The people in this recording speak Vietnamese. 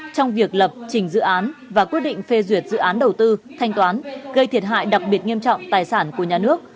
trong việc lập trình dự án và quyết định phê duyệt dự án đầu tư thanh toán gây thiệt hại đặc biệt nghiêm trọng tài sản của nhà nước